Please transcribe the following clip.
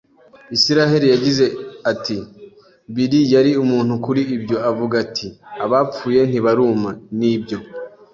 Isiraheli yagize ati: “Billy yari umuntu kuri ibyo. Avuga ati: '' Abapfuye ntibaruma. Nibyo